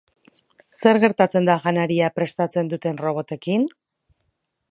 Zer gertatzen da janaria prestatzen duten robotekin?